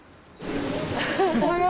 おはよう。